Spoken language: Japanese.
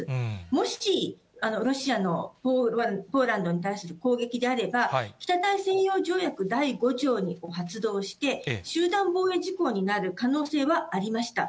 もし、ロシアのポーランドに対する攻撃であれば、北大西洋条約第５条を発動して、集団防衛事項になる可能性はありました。